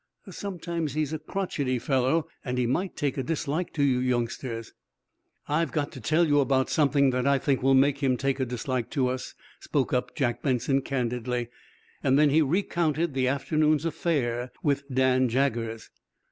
Sometimes he's a crotchety fellow, and he might take a dislike to you youngsters." "I've got to tell you about something that I think will make him take a dislike to us," spoke up Jack Benson, candidly. Then he recounted the afternoon's affair with Dan Jaggers.